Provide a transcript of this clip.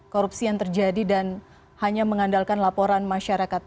korupsi yang terjadi dan hanya mengandalkan laporan masyarakat